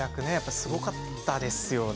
すごかったですよね。